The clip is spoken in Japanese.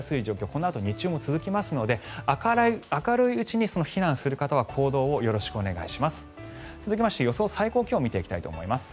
このあと日中も続きますので明るいうちに避難する方は行動をよろしくお願いします。